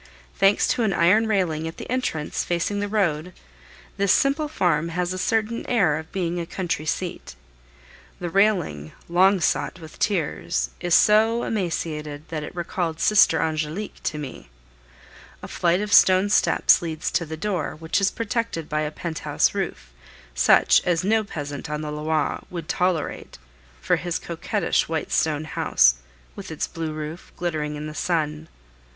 Thanks to an iron railing at the entrance facing the road, this simple farm has a certain air of being a country seat. The railing, long sought with tears, is so emaciated that it recalled Sister Angelique to me. A flight of stone steps leads to the door, which is protected by a pent house roof, such as no peasant on the Loire would tolerate for his coquettish white stone house, with its blue roof, glittering in the sun.